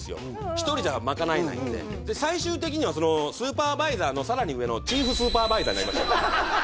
１人じゃ賄えないんで最終的にはスーパーバイザーのさらに上のチーフスーパーバイザーになりました